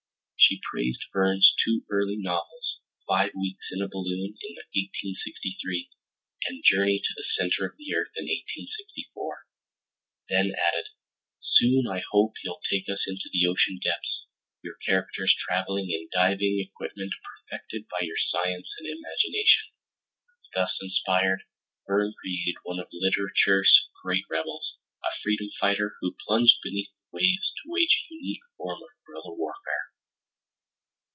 She praised Verne's two early novels Five Weeks in a Balloon (1863) and Journey to the Center of the Earth (1864), then added: "Soon I hope you'll take us into the ocean depths, your characters traveling in diving equipment perfected by your science and your imagination." Thus inspired, Verne created one of literature's great rebels, a freedom fighter who plunged beneath the waves to wage a unique form of guerilla warfare.